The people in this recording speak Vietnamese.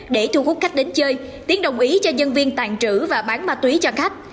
để thu hút khách đến chơi tiến đồng ý cho nhân viên tàn trữ và bán ma túy cho khách